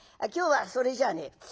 今日はそれじゃねえ。